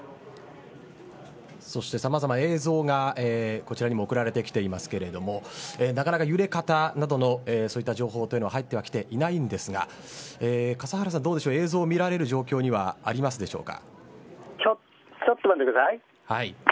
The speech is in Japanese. そしてさまざまな映像がこちらにも送られてきていますけれどもなかなか揺れ方などのそういった情報というのは入ってはきていないんですが笠原さんどうでしょう映像を見られる状況にはちょっと待ってください。